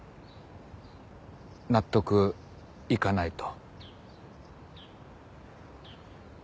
納得いかないと。